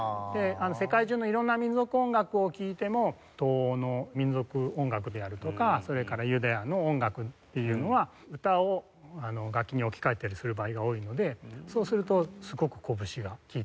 世界中の色んな民族音楽を聴いても東欧の民族音楽であるとかそれからユダヤの音楽っていうのは歌を楽器に置き換えたりする場合が多いのでそうするとすごくこぶしがきいてますね。